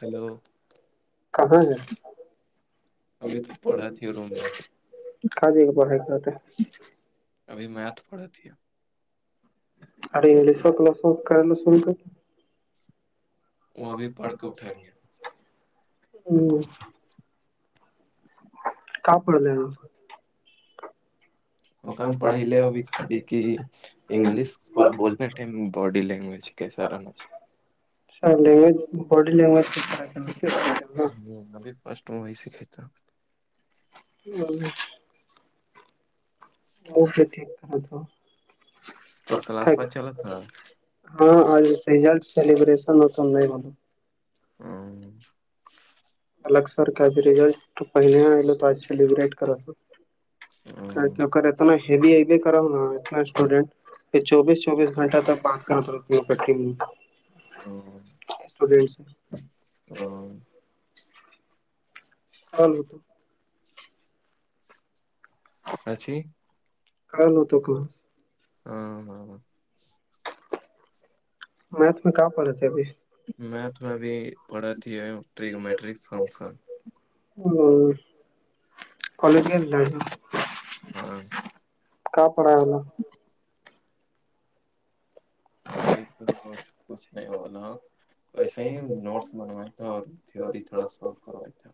hello کہاں ہے [unintelligible] اب تو پڑھا تھ روم میں کا جے کے پڑھائی کرتے ابھی میتھ پڑھتی ہے ا انگش و کلاسو کرا سو کر وہ ابھی پڑھ کے اٹھا دیا ہوں [unintelligible] کا پڑھ رہے ہیں آپ [unintelligible] وہ کیا ہم پڑھی لے ہوبھی خالی کی انگلش بولتے ٹائم باڈی لینگویج [unintelligible] [unintelligible] تو وہی سیکھے گا [unintelligible] [inaudible] وہ پھر ٹھیک کرتا ہوں تو کلاس میں چلا تھا ہاں آج رزلٹ سیلیبریشن ہوتا نہیں معلوم ہاں الگ سر کا رزلٹ تو پہلے آئے تو آج سیلبریٹ کرا تھا [unintelligible] پھر چوبیس چوبیس گھنٹہ تک بات کہا کرو گی ہاں [unintelligible] اسٹوڈینٹس [unintelligible] ہاں کل ہو تو [unintelligible] سچی کل ہو تو کہاں ہاں ہاں میتھ میں کہا پڑھے تھے ابھی میتھ میں بھی پڑھتی ہے ٹریگمنٹری فنکشن ہاں ہاں [unintelligible] [unintelligible] کچھ نہیں ہو نا [unintelligible] وسے ہی نوٹس بنوائے تھا اور تھوری تھوڑا سالو کرویا تھا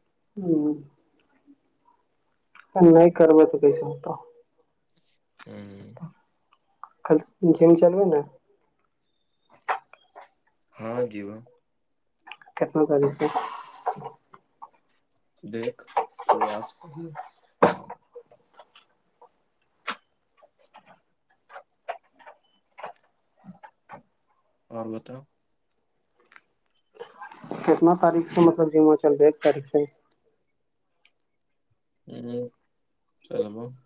[unintelligible] ہاں کل جم چلو نا ہاں جیوا [unintelligible] دیکھ پر آس اور بتاؤ [unintelligible] کتنا تاریخ سے مطلب جمہ چل رہا ہے ایک تاریخ سے [unintelligible]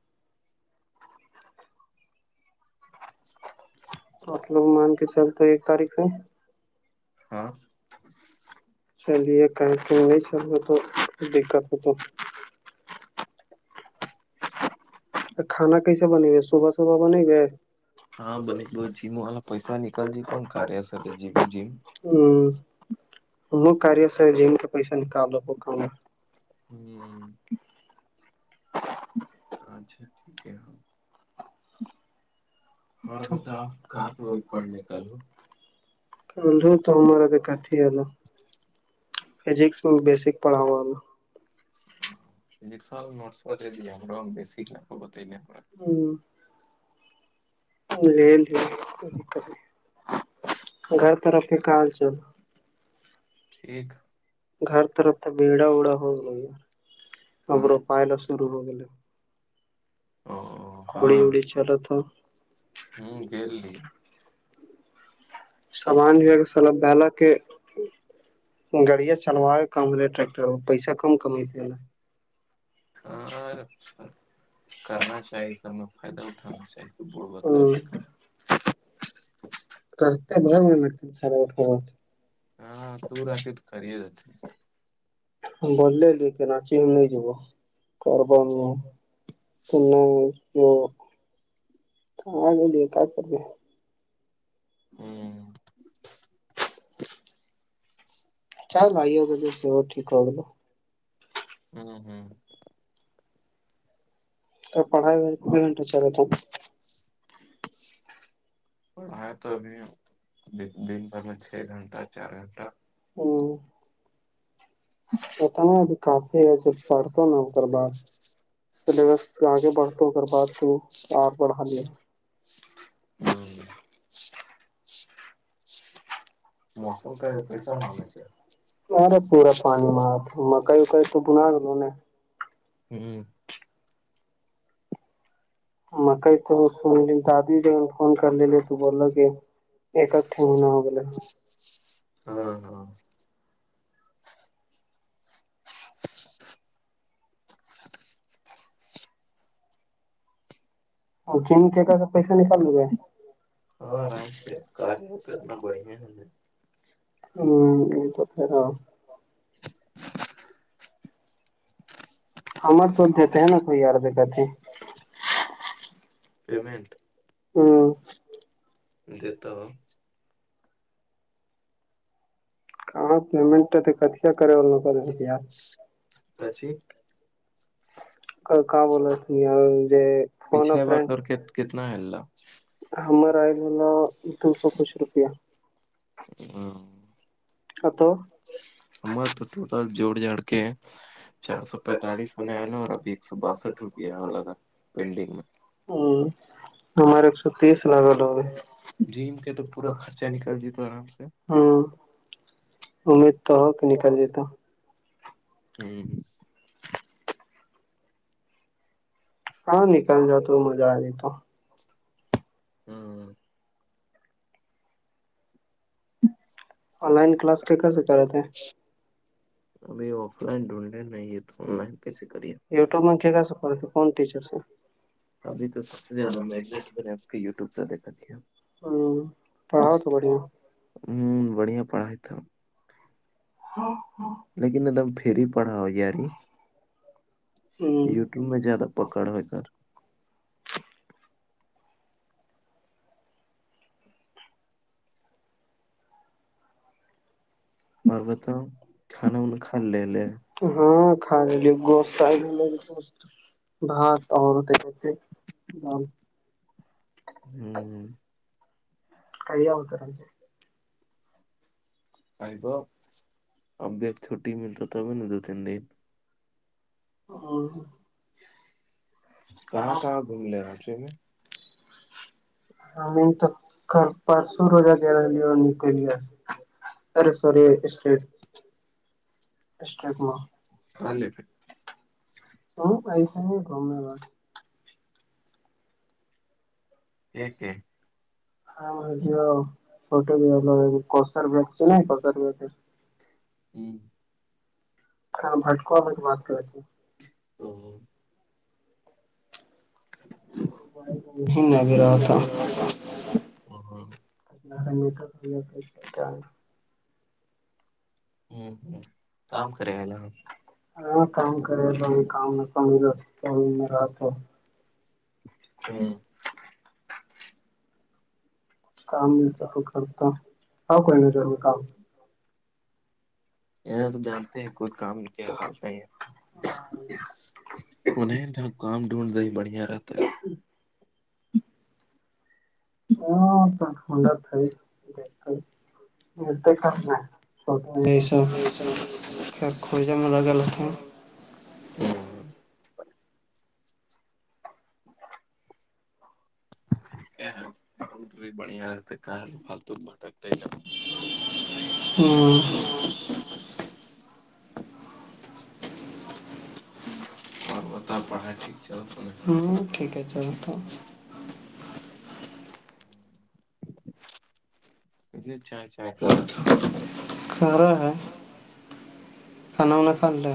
[inaudible] آپ لوگ مان کے چلتے ایک تاریخ سے ہاں [unintelligible] چلیے کہیں تو وہی سے تو دقت ہو تو [inaudible] کانا کیسے بنے گے صبح صبح بنے گے ہاں بھلے جم والا پیسہ نکل جی تو کاریا سے تو جیو جم ہاں [unintelligible] ہاں اچھا ٹھیک ہے ہاں اور بتاؤ کہاں تو پڑھنے کا لو [inaudible] [unintelligible] فزکس میں بیسک پڑھاو نا [unintelligible] لے لیا کبھی کبھی گھر طرف ہی کال چلو ٹھیک گھر طرف تو بیڑا وڑا ہوگیا ہوگا ہاں [unintelligible] او اڑی ہاں اڑی چلت ہو [inaudible] سامان جو ہے سب بیہلا کے گاڑیاں چلوا کم رہے ٹریکٹر پیسہ کم کمتے ہے نا ہاں کرنا چاہیے سب میں فائدہ اٹھانا چاہیے کہ بڑ بدلا کے [unintelligible] ہاں تو راف تو کریے گا بول لے لے کراچی ہم نہیں جبا کاربار میں ہے تنا جو آ گے کیا کر ب ہوں چ بھائی ہوگ تو سے وہ ٹھیک ہوگ ن ہوں ہوں پڑھائیب گھنٹہ چلے تھا پڑھائی تو ابھی دن بھر میں چھ گھنٹہ چار گھنٹہ تھا ہوتا نا ابھی کافی ہے جب پڑھتا ہوں نا ہو کر بعد [inaudible] سلیبس آگے بڑھ تو کر بات کروں آپ اور ہم ل ہوں موسم کل کیسا ہونا چاہے مکائی وکائی تو بنا لوگ ن ہوں [unintelligible] ایککٹھن ہونا اگلے می ہاں ہاں اور جم کے کا پیسہ نکال لیے ہے ہاں آرام سے کار تو اتنا بڑھیا ہے ہمیں ہ تو پیرا ہممر تو دیتے ہیں نا کوئی ار دقتے ہی پیمٹ ہ دیتا ہو اچھی [unintelligible] [inaudible] کوئی کام نہی آئینگے فون ا پچھلے بار فرینڈ اور کتنا ہے اللہ ہمار آئل ہوو دو سو پانچ روپیہ [inaudible] ا تو ہمار تو ٹوٹل جوڑ جاڑ کے چار سو پینتالیس ہونے والئے اور ابھی ایک سو باسٹھ روپے یہ لگا پینڈنگ میں ہوں ہمارے ایک سو تیس لگ جیم کے تو پورا خرچہ نکل جی تو آرام سے ہ امید تو ہو کہ نکل لیتا ہوں ہاں نکل جا تو مزہ آ نہیں تو ہاں آن لائن کلاس کیکر سےکرا تے ہیں ابھی آف لائن ڈھونڈے نہیں ہے تو آن لائن کیسے کریے اور کون ٹیچر سے ابھی تو سب سے زیادہ مگزٹ میں نے اس کے یوٹیوب سے دیکھا کیایا ہوں پڑھاؤ تو بڑھیا ہوں بڑھیا پڑھاائی تھا لیکن ایک دم فھر ہی پڑھا ہو یاری ہ یٹیوب میں زیادہ پکڑ ہو کر اور بتاؤ کھانا وانا کھا لے لے ہاں کھان گ بات عورد ایکے ہ ہوں [unintelligible] کہئی آ ہوتا رج آئیب ابیک چوٹی ملتا تو میں نہیں دو تین دن کہاں کہاں گھوم لے راچی میں ہمیں تو پرسوں روزہ د رہی نکلیا سے ارے س ر اسٹ اسسٹرک ہاں لے پھر تو پائسہ نہیں گم ہے گا ایک ہے [unintelligible] ہاں جو فوٹو جی بھی کوثر بیگ سے ج نہیں کوثر بیگ ہوں [unintelligible] ہ بٹکوا میں بات کر تھھی او [unintelligible] بھینا بھی رہا تھا [unintelligible] را میں تو تو چ [unintelligible] ہوں ہ کام کرے ہے ل ہاں کام کرے تو کام پانی ر تو میں رہ ہ [unintelligible] کام نہیں کرتا ہ کوئی نہیں رور کام یہاں تو جانتے ہیں کوئی کام کیا ح نہیں ان نہیںیں کام ڈھونڈ د ہی بڑھیا رہتا ہے ہاں س ٹنڈا تھاائے دتا یہنا کیا کھ ج لگل ہیں [unintelligible] ہاں [unintelligible] ا ب بھی بڑیا رہتے ک فالتو بٹک د ل ہوں [unintelligible] ات پڑھائی چل ہاں ٹھیک چ تو [unintelligible] ای اچھا سارا ہے [unintelligible] کھانا وانا کھا لیا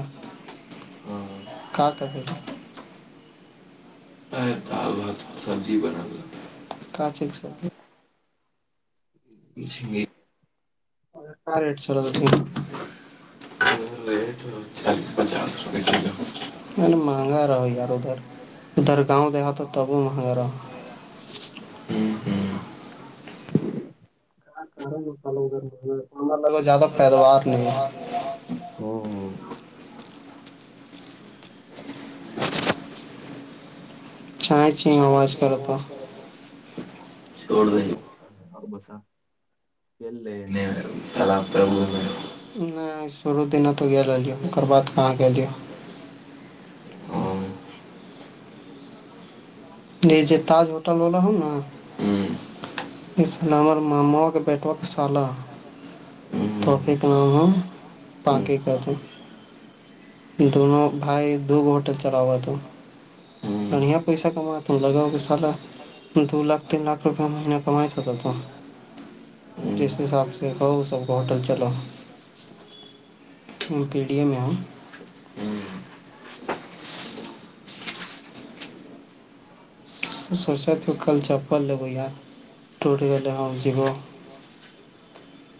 کا کا ا ب سبی سبزی بنا سب [unintelligible] ج [unintelligible] کیا ریٹ چلا تھا ت [unintelligible] ر چیس پچاس روپو روپئے کلو میں مہنگا رہ یار ادھر [unintelligible] ادھر گاؤں د ہات تو تب وہ مہگا رہا ہاں ہاں [unintelligible] لگ زیادہ پیداوار نہیںاں [unintelligible] او [unintelligible] چا چ آواز کرتا ب بسا چ لے نہیں شرو دن تو گ ریے ار بع کہاں کےیے ہ [unintelligible] یہ تاج ہوٹل والا ہو نا ماما کے بیٹ مسالہ پے کا نام ہے پاکے کا د دونوں بھائی دو گ ہوٹل چلا ہوا تھا بڑھیا پیسہ کما تم لگاؤ کہ سارا دو لاکھ تین لاکھ روپئے مہیینہ کمائی تھ تھا تو جس حساب سے کہ س کو ہوٹل چلو پیڈی ایم ای [inaudible] سوچا کل چپل لبو یہ ٹوٹ گے ہم جیب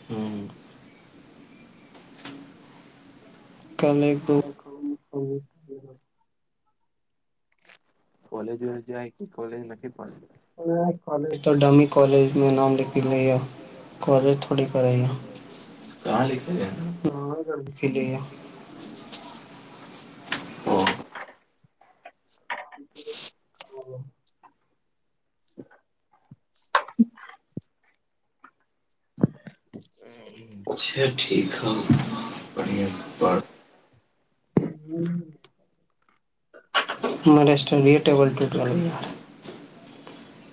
ہوں ہ کل ایک دو [inaudible] جائے کہ کالج نہیں پڑ کالج تو ڈمی کالج میں نام لکھ پ نہیں کالج تھوڑی کرے چ آ کے لیے ہاں [inaudible] اچھا ٹھیک ہے بڑ پر [inaudible] ہم ریسٹورینٹ یہ ٹیبل ٹوٹ گ ہے یار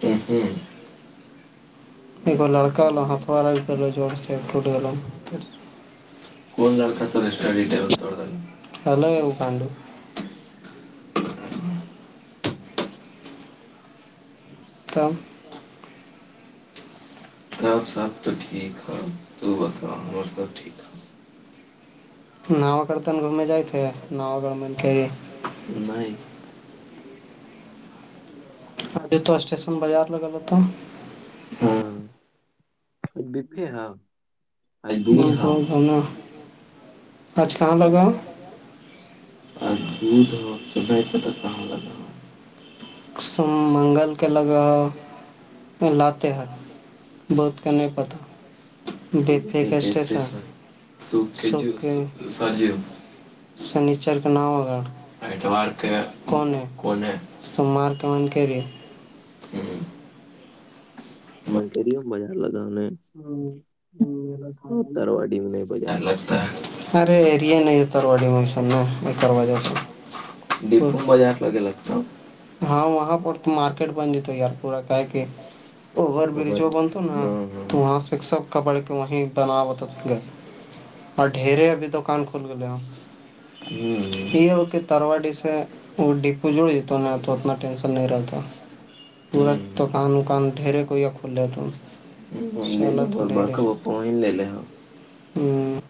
ا ہوں اگ لڑکا ل ہتوارا بھی جوڑ سے ایک ٹوٹ گ کون لک لڑکا تو اس اسٹڈی ٹیبل توڑ دینا الگ کڈو تب [inaudible] تب سب تو ٹھیک ہے تو بتاا ہم سب ٹھیک ہے نو گڑ تن گھوم جائ تھ نوا گڑ میںری نہیں ج تو اسٹیشن بازار لگل تو ہاں ب ہاں پ جانا نہیں پتا کہاں لگا منگل کے لگہ لاتے ہیں بہت کا نہیں پتا دیکھنے بفے کے اسٹیشن سے سوکھ کے جیو سر جیو سنیچر کا نام و اتوار کے کون کون کونے س مارک کرے ہوں ہاں میں کری ہم بازار لگاؤنے تر وڈی میں نہیں بازار لگتا در و ڈی مسان ن دوجہ ہے سے ڈپو میں بازار لگے لگتا ما ہاں وہاں پر تو مارکیٹ بن جتا یار پورا کا کہ اوور برج وہ بن تو نا ہاں تو ہاں وہاں سے سب ک پڑھ کے وہیں بنا بتا گئے اور ڈھیرری ابھی دکان کھل گے ہیں ہوں یہ ہو کہ ترو ڈی سے وہ ڈیپو جوڑ ج ن تو اتنا ٹینشن نہیں رہتا پورا دکان وکان ڈھیرے کو یا کھول رہ ت ہ لے ل اور بڑکا ب لے لے [inaudible]